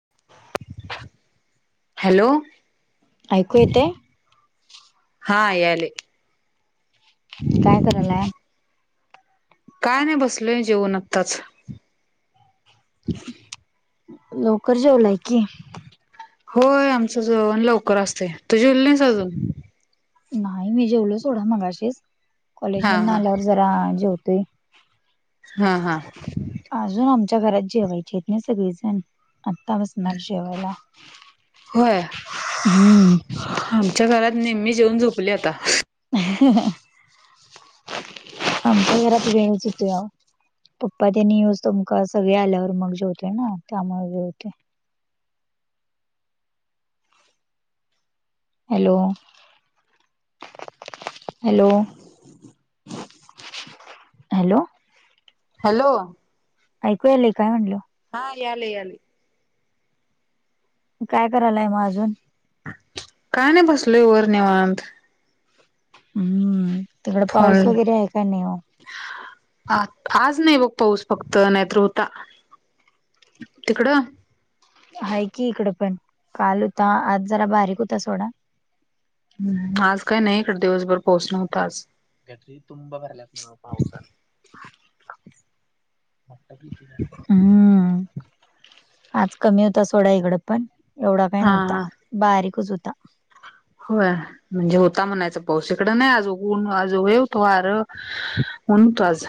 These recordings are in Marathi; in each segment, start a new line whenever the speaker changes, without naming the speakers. [inaudible]
हॅलो!
ऐकू येतय?
हा यायलय.
काय करायलाय?
काय नाही बसलोय जेऊन आत्ताच.
लवकर जेवलाय की?
होय आमचं जेवण लवकर असतय तू जेवली नाहीस अजून?
नाही मी जेवलो सोडा मगाशीच कॉलेज
हा
मधन
हा
आल्यावर जरा जेवतोय.
हा हा.
अजून आमच्या घरात जेवायचेत ना सगळेजण. आता बसणार जेवायला.
होय
हम्म
आमच्या घरात निम्मे जेवून झोपली आता.
आमच्या घरात वेळच होतोया. पप्पा त्यांनी येऊजतम सगळे आल्यावर मग जेवतो ना त्यामुळे वेळ होतोय. हॅलो! हॅलो! हॅलो!
हॅलो!
ऐकू यायलाय काय म्हणलं?
हा यालय यालय.
काय करायलाय मग अजून?
काय नाही बसलोय वर निवांत.
हम्म तिकड पाऊस वगैरे आहे का नाही ओ?
अ आज नाही बघ पाऊस फक्त नाही तर होता. तिकडं?
आहे की इकड पण काल होता आज जरा बारीक होता सोडा.
आज काय नाही इकड दिवसभर पाऊस नव्हता आज.
गटारी तुम्ब भरल्यात पाऊसाने.
[unintelligible]
हम्म आज कमी होता सोडा इकडं पण एवढा काय
हा
नव्हता.
हा
बारीकच होता.
होय म्हणजे होता म्हणायचं पाऊस इकडं नाही आज ऊन आज लय होत वारं. ऊन होतं आज.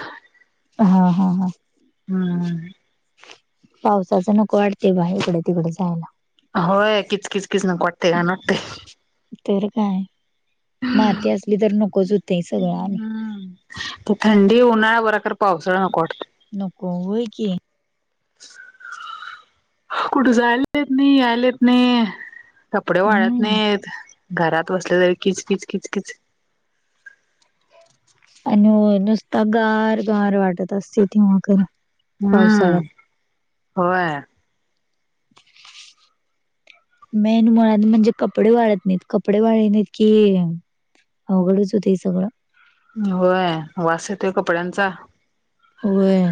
हा हा हा.
हम्म.
पावसाचं नको वाटतय बाहेर इकडं तिकड जायला.
होय किच किच किच नको वाटतंय घाण वाटतंय.
तर काय माती असली तर नकोच होतय सगळं आणि.
हम्म. ते थंडी, उन्हाळा बरा खरं पावसाळा नको वाटतोय.
नको होय की.
कुठ जायला येत नाही, यायला येत नाही. कपडे वाळत
हम्म
नाहीत घरात बसले तरी किचकिच
आणि नुसता गार गार वाटत असते तेव्हा खर
हम्म हम्म होय
मेन मुळात म्हणजे कपडे वाळत नाहीत कपडे वाळली नाहीत की अवघडच होतय सगळ
होय वास येतोय कपड्यांचा
होय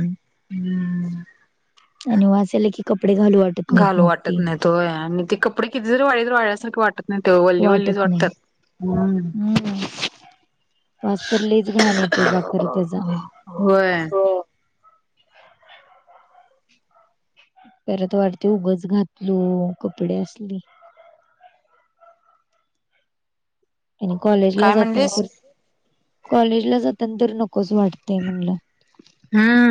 हम्म
आणि वास आला की कपडे घालू वाटत नाहीत
घालू
मग
वाटत
ते
नाहीत होय आणि ती कपडे कितीतरी वाळली वाळल्यासारखे वाटत नाही नाहीतर वल्ली वल्लीच
वाटत नाही
वाटतात हम्म
वास तर लयच घाण येतोय बापरे खर त्याचा
होय.
परत वाटते उगच घातलो कपडे असली आणि कॉलेजला
काय
जाताना
म्हणलीस?
तर कॉलेजला जाताना तर नकोच वाटतेय म्हटल
हम्म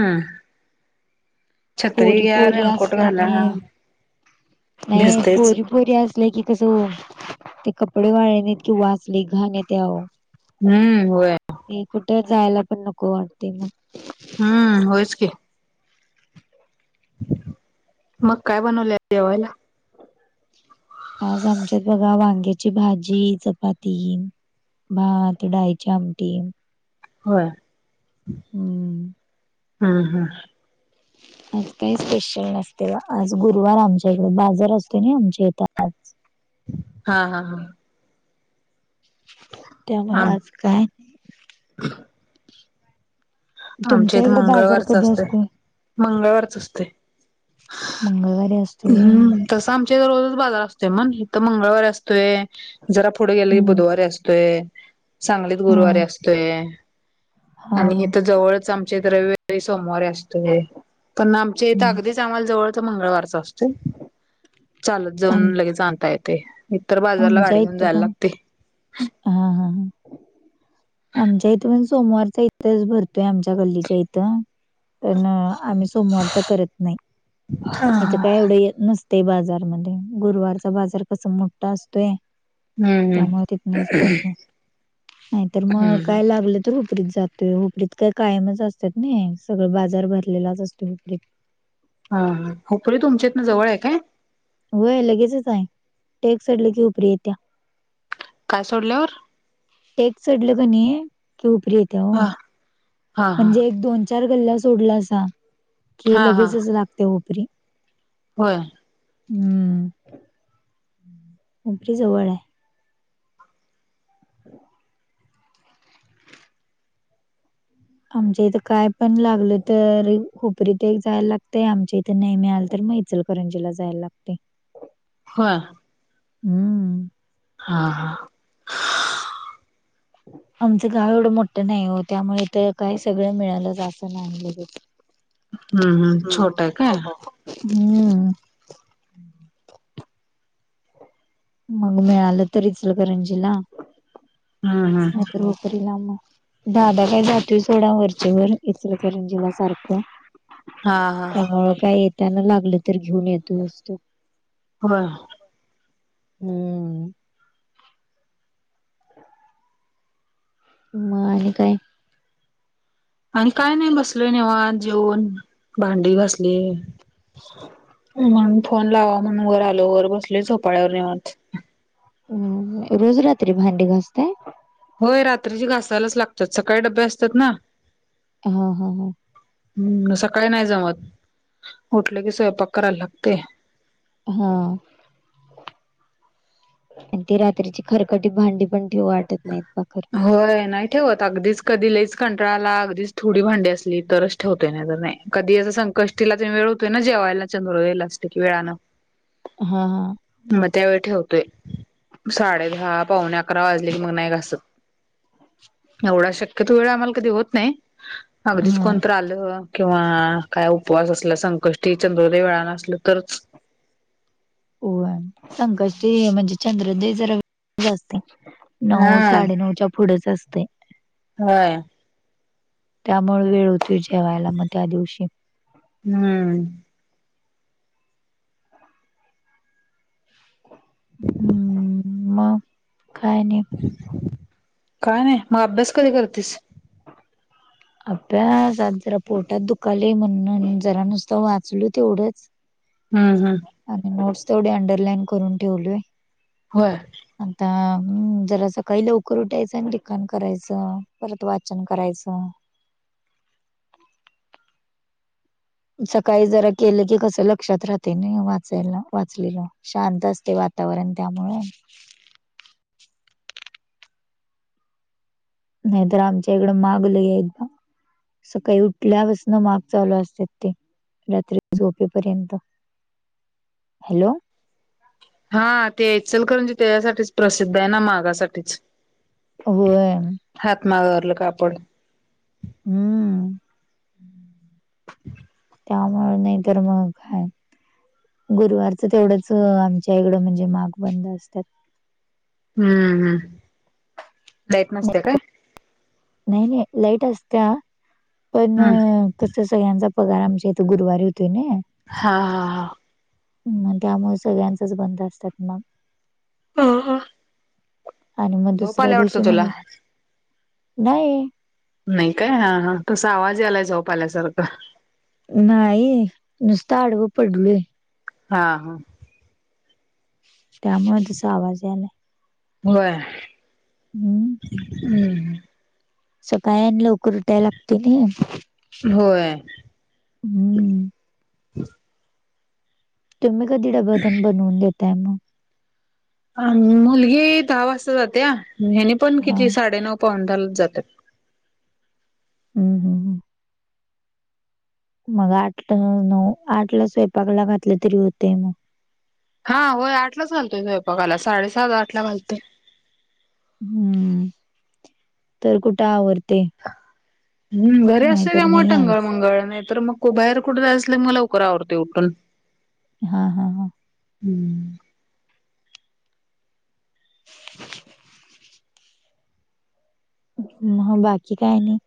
छत्री
पोरी
घ्या
पोरी
रेनकोट
असली
घाला
की नाही
भिजतेच.
पोरी पोरी असल्या की कस ते कपडे वाळली नाहीत कि वास लय घाण येतोय आहो
हम्म होय
कुठे जायला पण नको वाटते मग
हम्म होईच की मग काय बनवले जेवायला
आज आमच्यात बघा वांग्या ची भाजी, चपाती, भात, डाळीची आमटी
होय
हम्म
हम्म हम्म
आज काही स्पेशल नसते आज गुरुवार आमच्या इकडे बाजार असतो आमच्या इथं आज
हा हा हा
त्यामुळे
आम
आज काय
आमच्या
तुमच्या
इथं
इकडे बाजार
मंगळवारच
कधी
असतय
असतोय
मंगळवारच असतय
मंगळवारी असतोय होय
तस आमच्या रोजच बाजार असतोय मण इथं मंगळवारी असतोय जरा पुढे गेले की
हम्म
बुधवारी असतोय सांगलीत
हा
गुरुवारी असतोय
हा
आणि
हा
इथ जवळच आमच्या इथ रविवारी सोमवारी असतोय पण आमच्या इथ
हम्म
अगदीच ते आम्हाला जवळच मंगळवारच असतोय चालत
आम
जाऊन लगेच आणता येतय इतर बाजारला
आमच्या
गाडी घेऊन
इथं
जायला
पण
लागतय
हा हा हा आमच्या इथं पण सोमवारचा इथंच भरतोय आमच्या गल्लीच्या इथं पण आम्ही सोमवारचा करत नाही इथं
हा
काय एवढ येत नसत ते बाजार मध्ये गुरुवारचा बाजार कसा मोठा असतोय
हम्म
त्यामुळे तिथनच करतो नाही तर मग
हम्म हम्म
काय लागल तर उपरीत जातोय उपरीत काय कायमच असतात ना सगळं बाजार भरलेलाच असतो उपरीत
हा हुपरी तुमच्या इतन जवळ आहे काय
वय लगेचच आहे टेक सोडल की उपरी येतीया
काय सोडल्यावर
टेक चढल कनी उपरी येत्या ओ
भा
म्हणजे एक दोन चार गल्या सोडला असा की
हा हा
लगेच असं लागते हो उपरीे [unintelligible]
होय.
हम्म
[inaudible]
आम्हच्या जवळ नाही. आमच्या इथं काय पण लागल तर हुपरीथ जायला लागतंय आमच्या इथं नाही मिळाल तर मग चल -करंजीला जायला लागते.
हो ना.
हम्म.
हा हा
आमचं गाव एवढं मोठं नाही हो त्यामुळे इथं तर काय सगळं मिळालं जात नाही.
हम्म हम्म छोट आहे काय.
हम्म, मग मिळालं तर इचलकरंजीला.
हम्म हम्म
नाही तर हुपरी लामग दादा काय जातोय सोडा वरचेवरर इचलकरंजीला सारखं.
हा हा
त्यामुळं काय येताना लागलं तर घेऊन येतोयंच त्यो.
होय.
हम्म म आणि काय
आणि काय नाही बसलोय निवांत जेऊन भांडी घासली, म्हणुन फोन लावा म्हणून वर आलो वर बसले झोपाळ्यावर निवांत.
हम्म रोज रात्री भांडी घासताय.
होय रात्रीची घासायलाच लागतात, सकाळी डबे असतात ना.
हा हा हा
हम्म सकाळी नाही जमत, उठले की स्वयंपाक करायला लागते.
हा आणि ती रात्रीची खरकटी भांडी पण ठेवु वाटत नाही बा खरं.
होय नाही ठेवत अगदीच कधी लईच कंटाळाला अगदीच थोडी भांडी असली तरच. ठेवतोय नाही तर नाही कधी असं संकष्टीला त वेळ होतोय ना जेवायला चंद्रोदय ला असते की वेळानं [inaudible]
हा हा
मग त्यावेळी ठेवतोय साडे दहा पावणे अकरा वाजले की. मग नाही घासत एवढा शक्यतो वेळ आम्हाला कधी होत नाही.
हा
अगदीच
हा
कोणतर आलं किंवा काय उपवास असला संकष्टी चंद्रोदय वेळान असलं तरच
होय, संकष्टी म्हणजे चंद्रोदय जरा वेळानच असतोय. नऊ
हा
साडेनऊच्या पुढेच असते.
हा ना
त्यामुळे वेळ होतय जेवायला मग त्या दिवशी.
हम्म
हम्म मग काय आणि?
काय नाही अभ्यास कधी करतेस?
अभ्यास आज जरा पोटात दुखालय म्हणून आणि जरा नुसतं वाचलो तेवढंच.
हम्म हम्..
आणि नोट्स थोडी अंडरलाईन करून ठेवलोय.
होय का..
आता हम् जरा सकाळी लवकर उठायचं आणि लिखाण करायचं परत वाचन करायचं. सकाळी जरा केलं की कस लक्षात राहते. ना वाचायला वाचलेलं, शांत असतय वातावरण त्यामुळे. नाहीतर आमच्या इकडं माग लय हाईत. सकाळी उठल्यापासन माग चालू असत्यात ते. रात्री झोपेपर्यंत. हॅलो...
हा ते इचलकरंजी त्याच्यासाठीच प्रसिद्ध आहे ना, मागासाठीच.
होय..
हात मागावरलं कापड.
हम्म. ! ! त्यामुळे नाही तर मग काय, गुरुवारचं तेवढंच आमच्या इकडं म्हणजे माग बंद असतात.
हम्म हम् लाईट नसत्या काय.
नाही नाही लाईट असत्या पण,
हम्
तस सगळ्यांचा पगार आमच्या इथं गुरुवारी होतोय नी,
हा हा...
मग त्यामुळे सगळ्यांचच बंद असतात माग.
हा हा
आणि मग
झोप
दुसऱ्या
आल्या
दिवशी
वाटतं तुला
म्हणल नाही.
नाही काय हा हा तसा आवाज आलाय झोप आल्यासारखं.
नाही, नुसतं आडवं पडलोय.
हा
त्यामुळ तस आवाज यालाय.
होय...
हम्म, !
हम्म हम्
सकाळी आणि लवकर उटाय लागतय नी,
होय..?
हम्म तुम्ही कधी डब्ब तेन बनवून देताय मग,
अ, मुलगी दहा वाजता जात्या हयनी पण
हा
किती साडेनऊ पाऊणे दहा लाच जातात.
हम् हम ह,.. मग आठ नऊ आठला स्वयंपाकला घातले तरी होते मग,
हा होय आठलाच घालतोय स्वयपाकाला साडेसात आठला घालतोय.
हम्म तर कुठं आवरतय.
हम् घरी असतोय त्यामुळे
नाही
टंगळ
आवरत
मंगळ नाही तर मग कु बाहेर कुठ जायच असल कि मग लवकर आवरतोय उठून.
हा हा हा
हम्म
चिड कड बाकी काय नाही?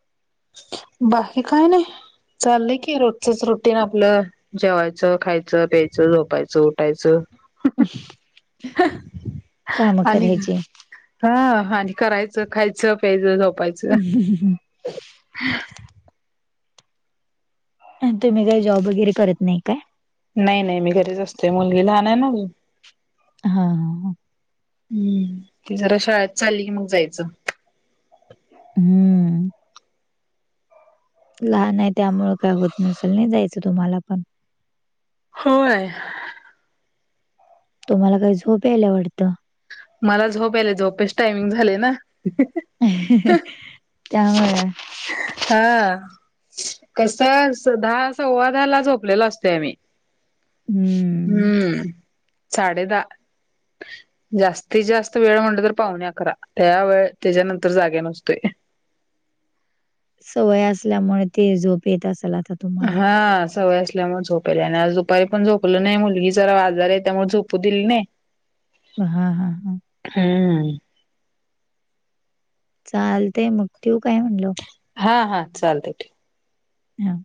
बाकी काय नाही चाललंय की रोजचच रुटीन आपलं. जेवायचं खायचं प्यायचं झोपायचं उठायचं?
कामं
आणि
करायची
हा, आणि करायचं खायचं प्यायचं झोपायचं
हहहहहं.
[unintelligible]
अन् तुम्ही काही जॉब वगैरे करत नाही काय?
नाही नाही मी घरीच असतोय, मुलगी लहान आहे ना अजून.
हा हा.
हम्म, ती जरा शाळेत चालली की मग जायचं.
हम्म. लहान आहे त्यामुळं काय होत नसल नाही जायचं तुम्हाला पण.
होय.
तुम्हाला काय झोप याला वाडतं.
मला झोप याला झोपेचं टायमिंग झालय ना.
त्यामुळं.
हां. कसं दहा सव्वा दहा ला झोपलेलं आसतोय आम्ही.
हम्म.
हम्म,, साडेधा जास्तीत जास्त वेळ म्हटलं तर पावणे अकरा, त्या वेळ त्याच्यानंतर जागे नसतोय.
सवय असल्यामुळे ते झोप येत असल आता. तुम्हाला
हा सवय असल्यामुळं झोप आणि आज दुपारी पण झोपलं नाही, मुलगी जरा आजारी हाय त्यामुळं झोपू दिली नाही,
हा हा हा.
हम्म्म.
चालतय मग ठिवु काय म्हणलो.
हा हा, चालतय ठेव.
हां.